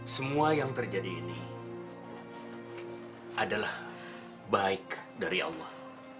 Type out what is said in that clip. semua yang terjadi ini adalah baik dari allah